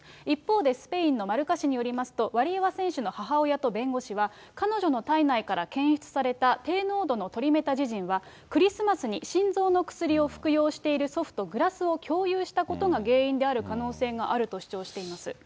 一方でスペインのマルカ紙によりますと、ワリエワ選手の母親と弁護士は、彼女の体内から検出された低濃度のトリメタジジンは、クリスマスに心臓の薬を服用している祖父とグラスを共有したことが原因である可能性があると主張しています。